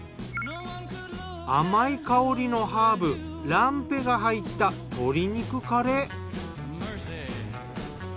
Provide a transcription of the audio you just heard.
甘い香りのハーブランペが入った鶏肉カレー。